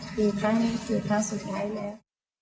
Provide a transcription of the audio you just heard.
คือครั้งนี้คือครั้งสุดท้ายแล้ว